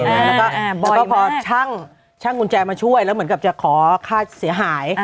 แล้วก็พอช่างกุญแจมาช่วยแล้วเหมือนกับจะขอค่าเสียหาย